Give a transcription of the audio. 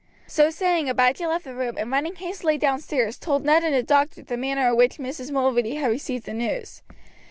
So saying, Abijah left the room, and, running hastily downstairs, told Ned and the doctor the manner in which Mrs. Mulready had received the news.